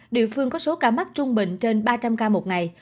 địa phương có số ca mắc trung bình trên ba trăm linh ca một ngày